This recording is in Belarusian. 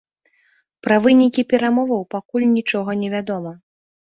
Пра вынікі перамоваў пакуль нічога невядома.